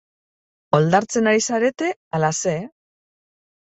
Oldartzen ari zarete ala ze?